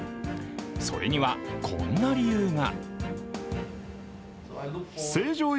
それには、こんな理由が。